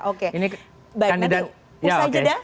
baik nanti usai jeda